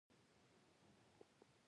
ښه خدمت د شهرت سبب کېږي.